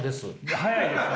早いですね！